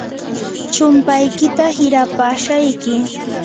chumpaykita hirapashayki.